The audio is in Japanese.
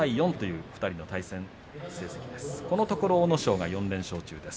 このところ阿武咲が４連勝中です。